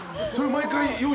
毎回。